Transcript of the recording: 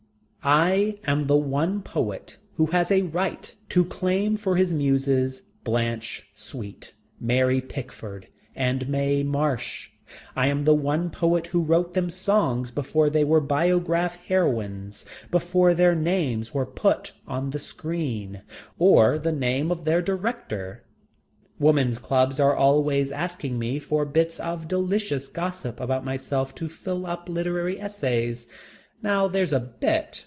I am the one poet who has a right to claim for his muses Blanche Sweet, Mary Pickford, and Mae Marsh. I am the one poet who wrote them songs when they were Biograph heroines, before their names were put on the screen, or the name of their director. Woman's clubs are always asking me for bits of delicious gossip about myself to fill up literary essays. Now there's a bit.